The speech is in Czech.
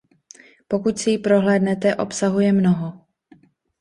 Pokud si ji prohlédnete, obsahuje mnoho.